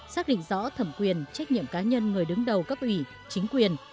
xác định rõ thẩm quyền trách nhiệm cá nhân người đứng đầu cấp ủy chính quyền